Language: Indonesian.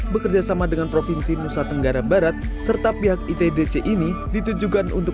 bekerjasama dengan provinsi nusa tenggara barat serta pihak itdc ini ditujukan untuk